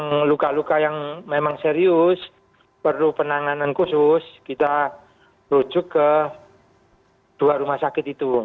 jadi luka luka yang memang serius perlu penanganan khusus kita rujuk ke dua rumah sakit itu